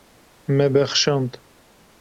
Me bexşand.